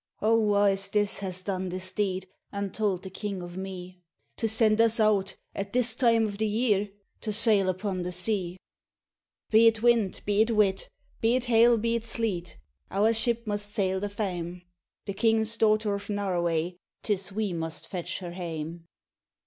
'O wha is this has done this deed, And tauld the king o' me, noil RAINBOW GOLD To send us out, at this time of the year, To sail upon the sea?' 'Be it wind, be it weet, be it hail, be it sleet, Our ship must sail the faem; The king's daughter of Noroway, 'Tis we must fetch her hame.'